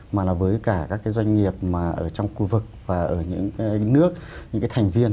mà là với cả các cái doanh nghiệp mà ở trong khu vực và ở những nước những cái thành viên